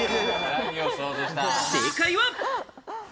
正解は。